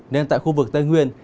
nên tại khu vực tây nguyên